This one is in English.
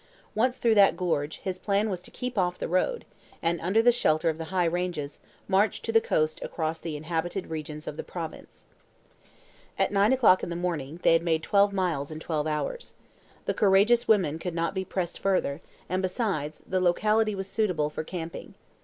Once through that gorge, his plan was to keep off the road, and, under the shelter of the high ranges, march to the coast across the inhabited regions of the province. At nine o'clock in the morning, they had made twelve miles in twelve hours. The courageous women could not be pressed further, and, besides, the locality was suitable for camping.